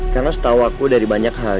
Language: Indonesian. karena setahu aku dari banyak hal